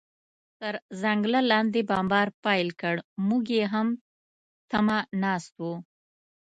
تر ځنګله لاندې بمبار پیل کړ، موږ یې هم تمه ناست و.